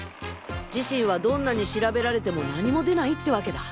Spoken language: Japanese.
自身はどんなに調べられても何も出ないってわけだ。